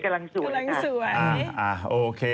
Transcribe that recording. กำลังสวยอ่ะโอเค